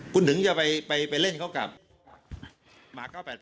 คุณหนึ่งจะไปเล่นเขากับ